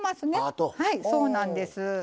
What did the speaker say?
はいそうなんです。